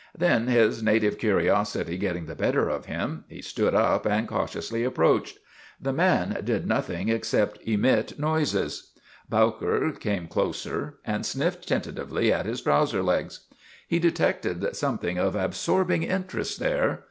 Then, his native curiosity get ting the better of him, he stood up and cautiously approached. The man did nothing except emit MADNESS OF ANTONY SPATOLA 93 noises. Bowker came closer and sniffed tentatively at his trouser legs. He detected something of ab sorbing interest there.